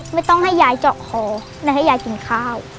ไม่ต้องให้ยายเจาะหอไม่ต้องให้ยายกินข้าว